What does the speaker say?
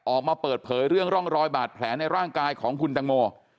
ออกมาเปิดเผยเรื่องร่องรอยบาดแผลในร่างกายของคุณตังโม